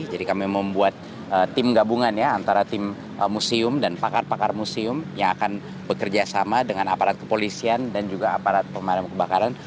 jadi kami membuat tim gabungan ya antara tim museum dan pakar pakar museum yang akan bekerja sama dengan aparat kepolisian dan juga aparat pemerintah kebakaran